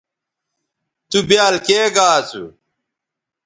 تُو بیال کے گا اسُو